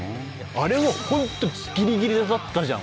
あれもホントギリギリだったじゃん。